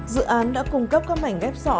dự án đã cung cấp các mảnh ép sọ